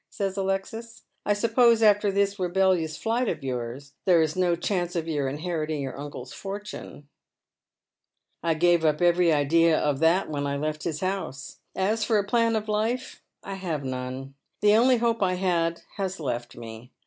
says Alexis. "I suppose afte* this rebellious flight of yours there is no chance of your inherit ing your uncle's fortune." " I gave up every idea of that when I left his house. As fot a plan of life, I have none. The only hope I had has left me.